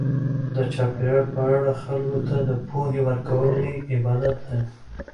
د چاپیریال په اړه خلکو ته د پوهې ورکول لوی عبادت دی.